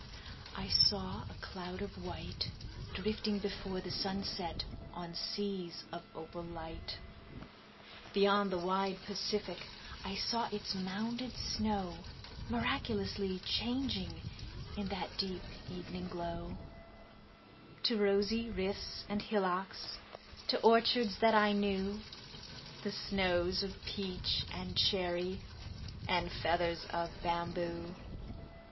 . I saw a cloud of white Drifting before the sunset On seas of opal light. Beyond the wide Pacific I saw its mounded snow Miraculously changing In that deep evening glow, To rosy rifts and hillocks, To orchards that I knew, The snows or peach and cherry, And feathers of bamboo.